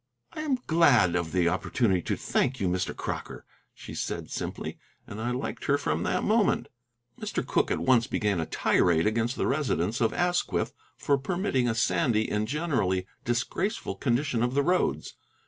"I am glad of the opportunity to thank you, Mr. Crocker," she said simply. And I liked her from that moment. Mr. Cooke at once began a tirade against the residents of Asquith for permitting a sandy and generally disgraceful condition of the roads.